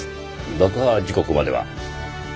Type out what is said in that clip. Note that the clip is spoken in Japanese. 爆破時刻までは？